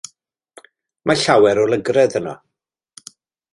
Mae llawer o lygredd yno.